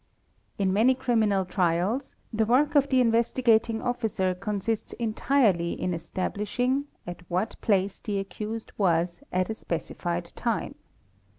In many criminal trials, the work of the Investigating Officer consists entirely in esta lishing at what place the accused was at a specified time.